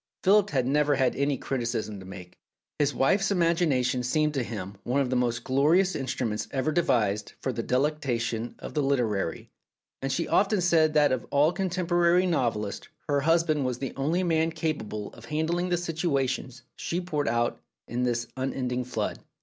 Philip had never any criticism to make : his wife's imagination seemed to him one of the most glorious instruments ever devised for the delectation of the literary, and she often said that of all contemporary novelists her husband was the only man capable of handling the situations she poured out in this unending flood.